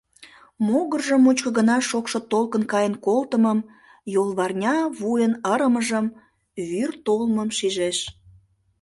Могыржо мучко гына шокшо толкын каен колтымым, йолварня вуйын ырымыжым, вӱр толмым шижеш.